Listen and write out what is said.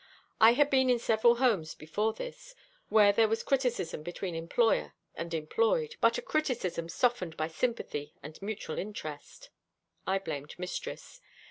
I had been in several homes before this, where there was criticism between employer and employed, but a criticism softened by sympathy and mutual interest. I blamed mistress.